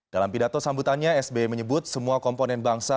dalam pidato sambutannya sbi menyebut semua komponen bangsa